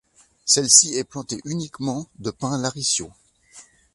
Celle-ci est plantée uniquement de pins laricio.